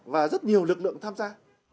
và rất nhiều lực lượng tham gia